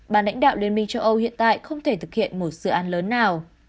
bàn lãnh đạo liên minh châu âu hiện tại không thể thực hiện một dự án lớn nào